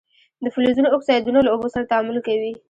د فلزونو اکسایدونه له اوبو سره تعامل کوي.